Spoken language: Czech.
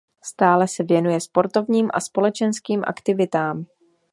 Stále se věnuje sportovním a společenským aktivitám.